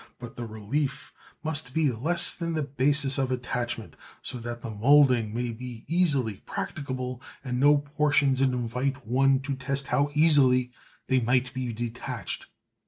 But the relief must be less than the basis of attachment, so that the moulding may be easily practicable, and no portions invite one to test how easily they might be detached.